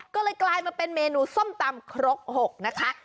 ก็เลยกลายมาเป็นเมนูส้มตำครก๖นะคะ